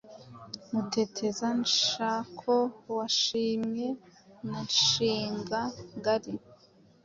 Mutêtêza-nshako wa Shimwe na Shinga-ngari,